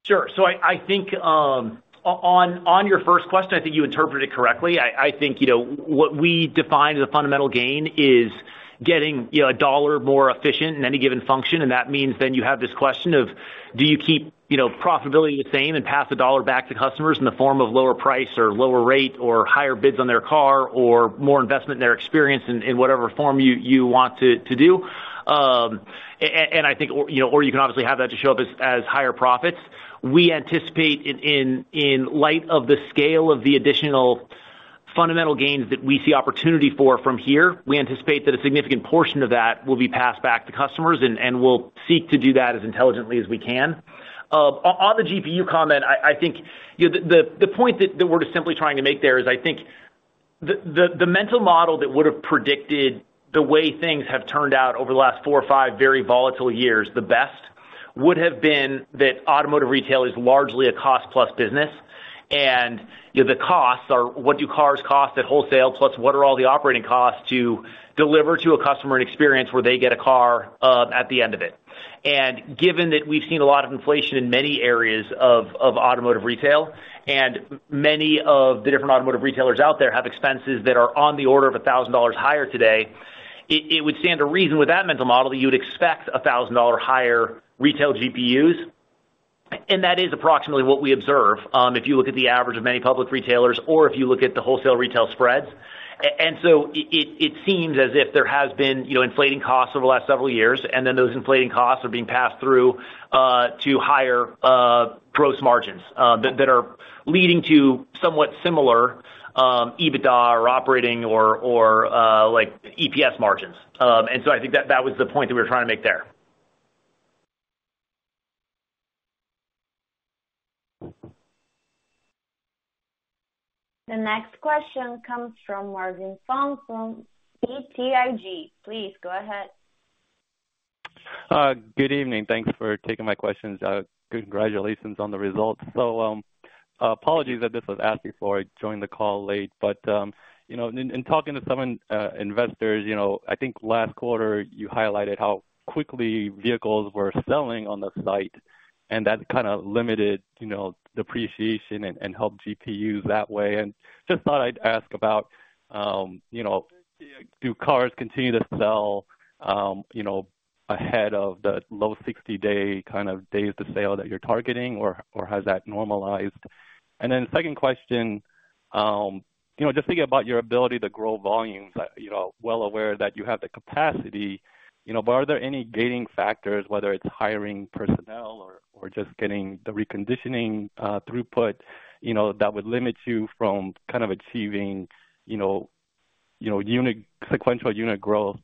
Sure. So I think on your first question, I think you interpreted it correctly. I think what we define as a fundamental gain is getting $1 more efficient in any given function. And that means then you have this question of, do you keep profitability the same and pass $1 back to customers in the form of lower price or lower rate or higher bids on their car or more investment in their experience in whatever form you want to do? And I think or you can obviously have that to show up as higher profits. We anticipate in light of the scale of the additional fundamental gains that we see opportunity for from here, we anticipate that a significant portion of that will be passed back to customers, and we'll seek to do that as intelligently as we can. On the GPU comment, I think the point that we're just simply trying to make there is I think the mental model that would have predicted the way things have turned out over the last 4 or 5 very volatile years the best would have been that automotive retail is largely a cost-plus business. The costs are what do cars cost at wholesale plus what are all the operating costs to deliver to a customer an experience where they get a car at the end of it? Given that we've seen a lot of inflation in many areas of automotive retail, and many of the different automotive retailers out there have expenses that are on the order of $1,000 higher today, it would stand to reason with that mental model that you would expect $1,000 higher retail GPUs. That is approximately what we observe if you look at the average of many public retailers or if you look at the wholesale retail spreads. So it seems as if there has been inflating costs over the last several years, and then those inflating costs are being passed through to higher gross margins that are leading to somewhat similar EBITDA or operating or EPS margins. So I think that was the point that we were trying to make there. The next question comes from Marvin Fong from BTIG. Please go ahead. Good evening. Thanks for taking my questions. Congratulations on the results. So apologies that this was asked before I joined the call late. But in talking to some investors, I think last quarter you highlighted how quickly vehicles were selling on the site, and that kind of limited depreciation and helped GPUs that way. And just thought I'd ask about, do cars continue to sell ahead of the low 60-day kind of days to sale that you're targeting, or has that normalized? And then second question, just thinking about your ability to grow volumes, well aware that you have the capacity, but are there any gating factors, whether it's hiring personnel or just getting the reconditioning throughput that would limit you from kind of achieving sequential unit growth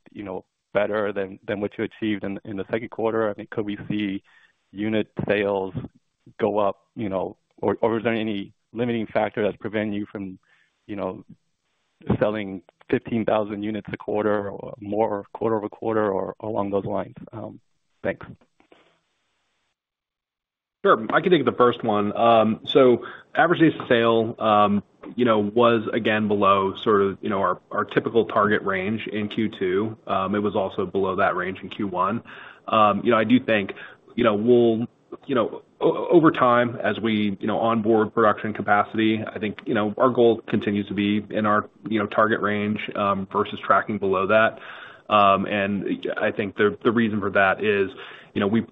better than what you achieved in the second quarter? I mean, could we see unit sales go up, or is there any limiting factor that's preventing you from selling 15,000 units a quarter or more quarter-over-quarter or along those lines? Thanks. Sure. I can take the first one. So average days to sale was, again, below sort of our typical target range in Q2. It was also below that range in Q1. I do think over time, as we onboard production capacity, I think our goal continues to be in our target range versus tracking below that. And I think the reason for that is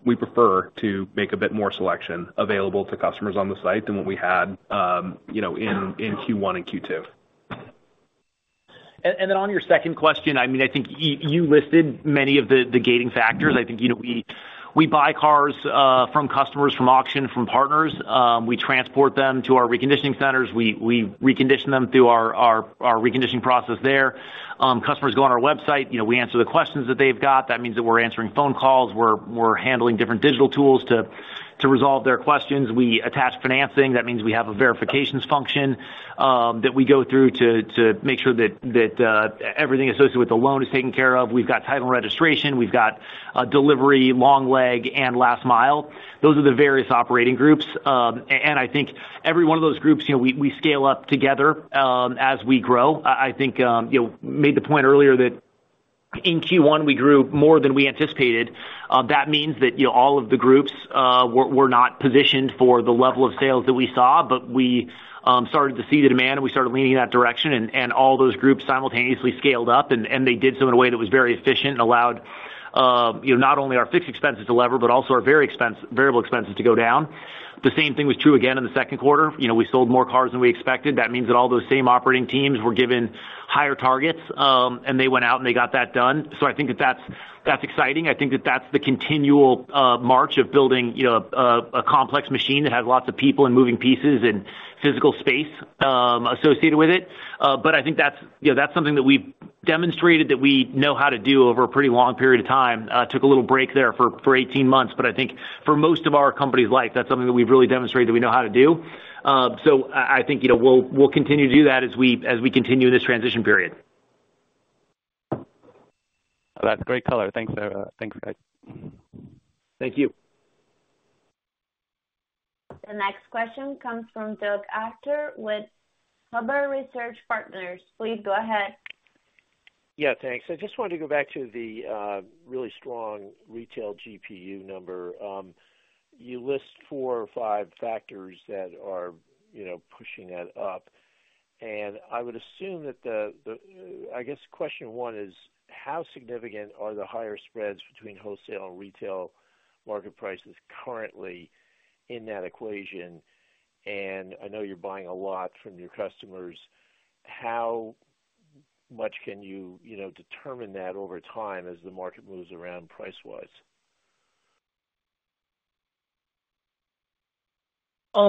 we prefer to make a bit more selection available to customers on the site than what we had in Q1 and Q2. And then on your second question, I mean, I think you listed many of the gating factors. I think we buy cars from customers, from auction, from partners. We transport them to our reconditioning centers. We recondition them through our reconditioning process there. Customers go on our website. We answer the questions that they've got. That means that we're answering phone calls. We're handling different digital tools to resolve their questions. We attach financing. That means we have a verifications function that we go through to make sure that everything associated with the loan is taken care of. We've got title registration. We've got delivery, long leg, and last mile. Those are the various operating groups. And I think every one of those groups, we scale up together as we grow. I think you made the point earlier that in Q1, we grew more than we anticipated. That means that all of the groups were not positioned for the level of sales that we saw, but we started to see the demand, and we started leaning in that direction. All those groups simultaneously scaled up, and they did so in a way that was very efficient and allowed not only our fixed expenses to lever but also our variable expenses to go down. The same thing was true again in the second quarter. We sold more cars than we expected. That means that all those same operating teams were given higher targets, and they went out and they got that done. So I think that that's exciting. I think that that's the continual march of building a complex machine that has lots of people and moving pieces and physical space associated with it. But I think that's something that we've demonstrated that we know how to do over a pretty long period of time. Took a little break there for 18 months, but I think for most of our company's life, that's something that we've really demonstrated that we know how to do. So I think we'll continue to do that as we continue in this transition period. That's great color. Thanks, guys. Thank you. The next question comes from Doug Arthur with Huber Research Partners. Please go ahead. Yeah, thanks. I just wanted to go back to the really strong Retail GPU number. You list four or five factors that are pushing that up. And I would assume that the, I guess, question one is, how significant are the higher spreads between wholesale and retail market prices currently in that equation? And I know you're buying a lot from your customers. How much can you determine that over time as the market moves around price-wise?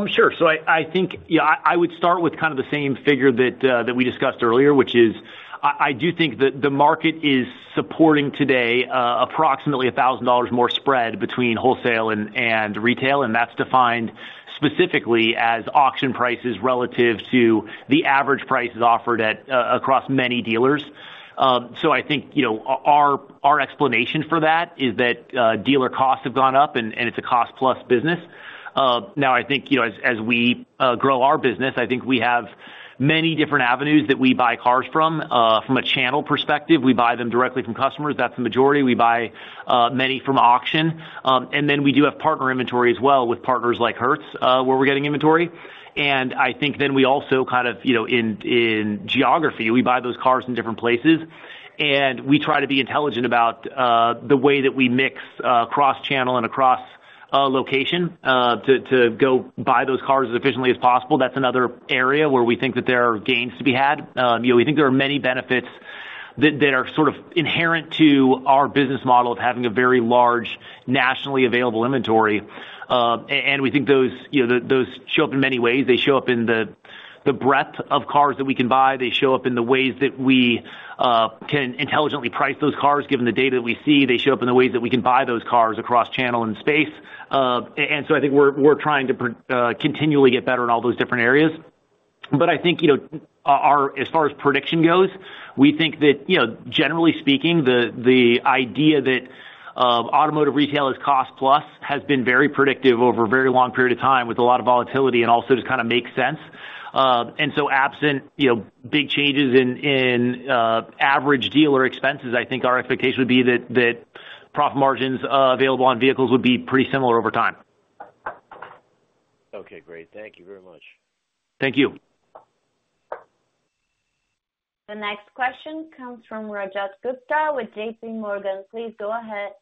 Sure. So I think I would start with kind of the same figure that we discussed earlier, which is I do think that the market is supporting today approximately $1,000 more spread between wholesale and retail. And that's defined specifically as auction prices relative to the average prices offered across many dealers. So I think our explanation for that is that dealer costs have gone up, and it's a cost-plus business. Now, I think as we grow our business, I think we have many different avenues that we buy cars from. From a channel perspective, we buy them directly from customers. That's the majority. We buy many from auction. And then we do have partner inventory as well with partners like Hertz where we're getting inventory. And I think then we also kind of in geography, we buy those cars in different places. We try to be intelligent about the way that we mix cross-channel and across location to go buy those cars as efficiently as possible. That's another area where we think that there are gains to be had. We think there are many benefits that are sort of inherent to our business model of having a very large nationally available inventory. And we think those show up in many ways. They show up in the breadth of cars that we can buy. They show up in the ways that we can intelligently price those cars given the data that we see. They show up in the ways that we can buy those cars across channel and space. And so I think we're trying to continually get better in all those different areas. But I think as far as prediction goes, we think that, generally speaking, the idea that automotive retail is cost-plus has been very predictive over a very long period of time with a lot of volatility and also just kind of makes sense. And so absent big changes in average dealer expenses, I think our expectation would be that profit margins available on vehicles would be pretty similar over time. Okay. Great. Thank you very much. Thank you. The next question comes from Rajat Gupta with J.P. Morgan. Please go ahead.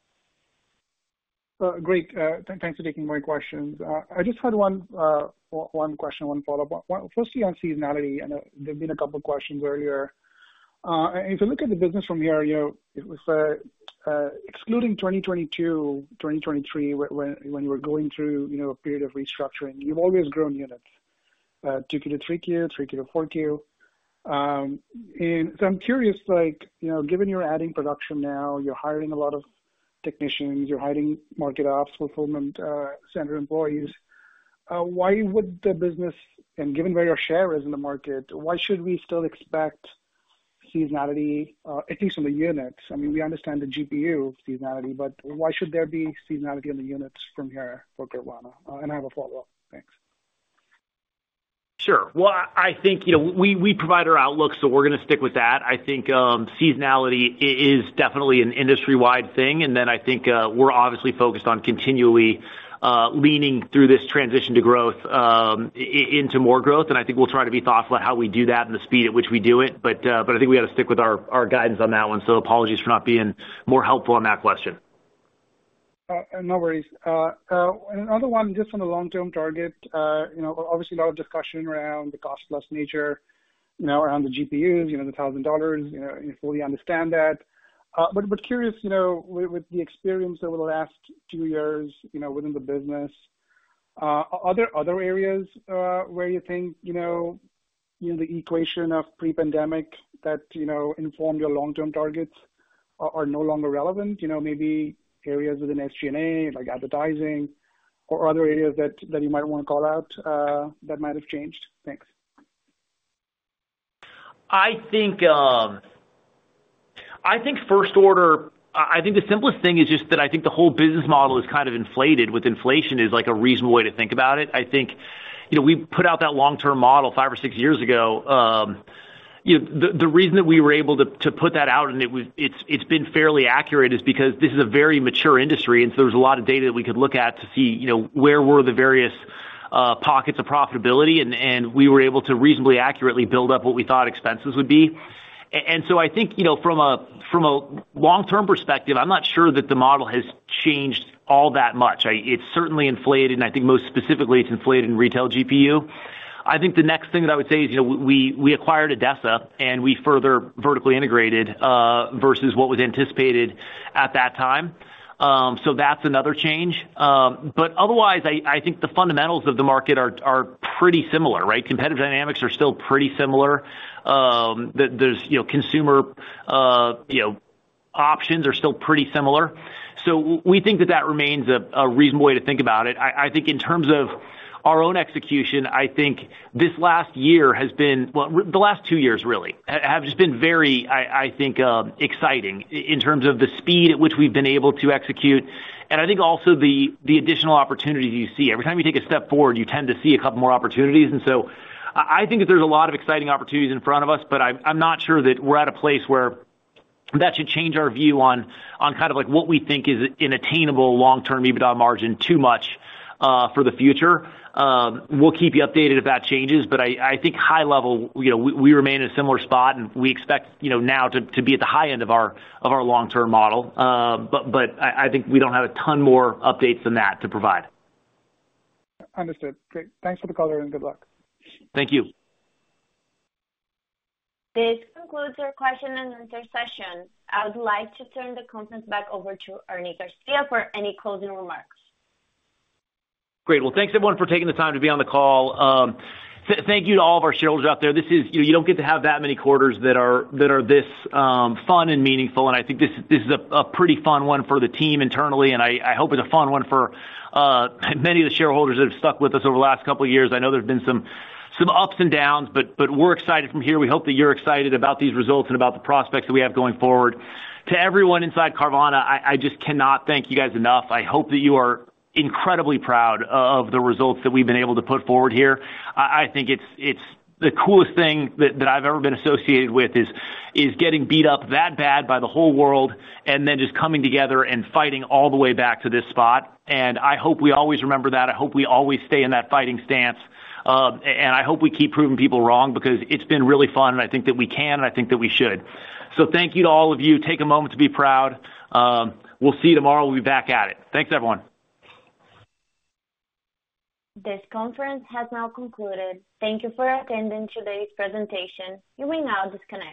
Great. Thanks for taking my questions. I just had one question, one follow-up. Firstly, on seasonality, there have been a couple of questions earlier. If you look at the business from here, excluding 2022, 2023, when you were going through a period of restructuring, you've always grown units, 2Q to 3Q, 3Q to 4Q. And so I'm curious, given you're adding production now, you're hiring a lot of technicians, you're hiring market ops, fulfillment center employees, why would the business, and given where your share is in the market, why should we still expect seasonality, at least on the units? I mean, we understand the GPU seasonality, but why should there be seasonality on the units from here for Carvana? And I have a follow-up. Thanks. Sure. Well, I think we provide our outlook, so we're going to stick with that. I think seasonality is definitely an industry-wide thing. And then I think we're obviously focused on continually leaning through this transition to growth into more growth. And I think we'll try to be thoughtful about how we do that and the speed at which we do it. But I think we got to stick with our guidance on that one. So apologies for not being more helpful on that question. No worries. Another one, just on the long-term target, obviously a lot of discussion around the cost-plus nature around the GPUs, the $1,000. I fully understand that. But curious, with the experience over the last two years within the business, are there other areas where you think the equation of pre-pandemic that informed your long-term targets are no longer relevant? Maybe areas within SG&A like advertising or other areas that you might want to call out that might have changed? Thanks. I think first order, I think the simplest thing is just that I think the whole business model is kind of inflated with inflation, is a reasonable way to think about it. I think we put out that long-term model five or six years ago. The reason that we were able to put that out, and it's been fairly accurate, is because this is a very mature industry. And so there's a lot of data that we could look at to see where were the various pockets of profitability. And we were able to reasonably accurately build up what we thought expenses would be. And so I think from a long-term perspective, I'm not sure that the model has changed all that much. It's certainly inflated, and I think most specifically, it's inflated in Retail GPU. I think the next thing that I would say is we acquired ADESA, and we further vertically integrated versus what was anticipated at that time. That's another change. But otherwise, I think the fundamentals of the market are pretty similar, right? Competitive dynamics are still pretty similar. Consumer options are still pretty similar. So we think that that remains a reasonable way to think about it. I think in terms of our own execution, I think this last year has been, well, the last two years really have just been very, I think, exciting in terms of the speed at which we've been able to execute. And I think also the additional opportunities you see. Every time you take a step forward, you tend to see a couple more opportunities. And so I think that there's a lot of exciting opportunities in front of us, but I'm not sure that we're at a place where that should change our view on kind of what we think is an attainable long-term EBITDA margin too much for the future. We'll keep you updated if that changes. But I think high level, we remain in a similar spot, and we expect now to be at the high end of our long-term model. But I think we don't have a ton more updates than that to provide. Understood. Great. Thanks for the call, Ernie. Good luck. Thank you. This concludes our question and answer session. I would like to turn the conference back over to Ernie Garcia for any closing remarks. Great. Well, thanks everyone for taking the time to be on the call. Thank you to all of our shareholders out there. You don't get to have that many quarters that are this fun and meaningful. I think this is a pretty fun one for the team internally. I hope it's a fun one for many of the shareholders that have stuck with us over the last couple of years. I know there's been some ups and downs, but we're excited from here. We hope that you're excited about these results and about the prospects that we have going forward. To everyone inside Carvana, I just cannot thank you guys enough. I hope that you are incredibly proud of the results that we've been able to put forward here. I think it's the coolest thing that I've ever been associated with is getting beat up that bad by the whole world and then just coming together and fighting all the way back to this spot. And I hope we always remember that. I hope we always stay in that fighting stance. And I hope we keep proving people wrong because it's been really fun. And I think that we can, and I think that we should. So thank you to all of you. Take a moment to be proud. We'll see you tomorrow. We'll be back at it. Thanks, everyone. This conference has now concluded. Thank you for attending today's presentation. You may now disconnect.